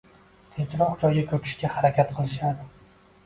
tinchroq joyga ko‘chishga harakat qilishadi.